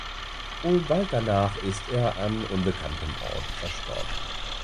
Wohl bald danach ist er an unbekanntem Ort verstorben.